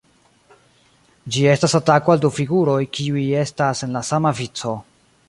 Ĝi estas atako al du figuroj, kiuj estas en la sama vico.